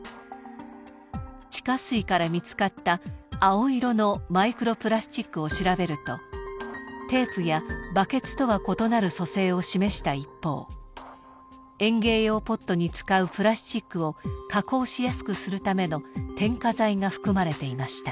地下水から見つかった青色のマイクロプラスチックを調べるとテープやバケツとは異なる組成を示した一方園芸用ポットに使うプラスチックを加工しやすくするための添加剤が含まれていました。